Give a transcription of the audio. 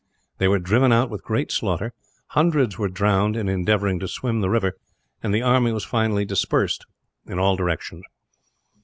They were driven out with great slaughter, hundreds were drowned in endeavouring to swim the river, and the army was finally dispersed in all directions.